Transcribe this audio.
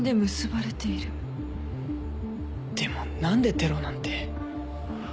でも何でテロなんて。